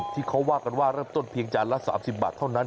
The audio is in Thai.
ที่เขาว่ากันว่าเริ่มต้นเพียงจานละ๓๐บาทเท่านั้น